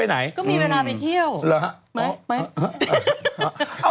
สวัสดีครับ